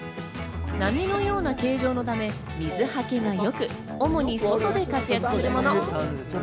波のような形状のため、水はけがよく、主に外で活躍するもの。